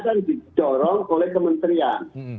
akan didorong oleh kementerian